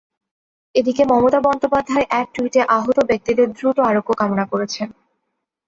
এদিকে মমতা বন্দ্যোপাধ্যায় এক টুইটে আহত ব্যক্তিদের দ্রুত আরোগ্য কামনা করেছেন।